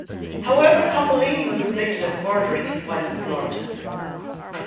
However, Coppolino was convicted of murdering his wife in Florida.